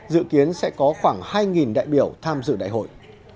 dự kiến sẽ có khoảng hai đại biểu tham dự đại hội